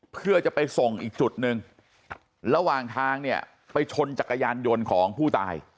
เพื่อจะไปส่งอีกจุดหนึ่งระหว่างทางเนี่ยไปชนจักรยานยนต์ของผู้ตาย